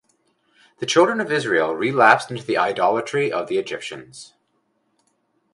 The Children of Israel relapsed into the idolatry of the Egyptians.